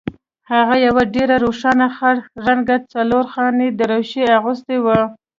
هغه یو ډیر روښانه خړ رنګه څلورخانه دریشي اغوستې وه